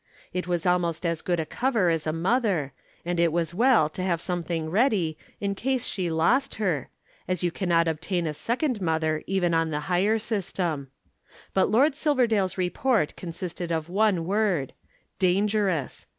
It was almost as good a cover as a mother, and it was well to have something ready in case she lost her, as you cannot obtain a second mother even on the hire system. But Lord Silverdale's report consisted of one word, "Dangerous!"